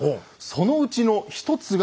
そのうちの一つが。